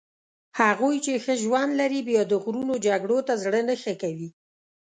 هغوی چې ښه ژوند لري بیا د غرونو جګړو ته زړه نه ښه کوي.